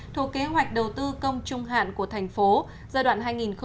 thuộc kế hoạch đầu tư công trung hạn của thành phố giai đoạn hai nghìn một mươi sáu hai nghìn hai mươi